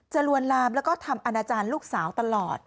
ลวนลามแล้วก็ทำอนาจารย์ลูกสาวตลอด